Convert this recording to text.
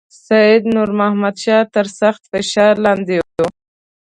سید نور محمد شاه تر سخت فشار لاندې وو.